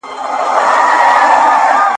موږ د اوږده اتڼ لپاره ډوډۍ ونه راوړه.